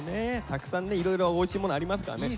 たくさんねいろいろおいしいものありますからね。